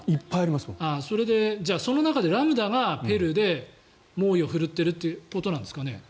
その中でラムダがペルーで猛威を振るっているということなんですかね。